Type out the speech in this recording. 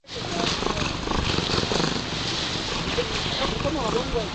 kwa sababu alizaliwa Bethlehemu chini ya Herode Mkuu aliyefariki mwaka wa nne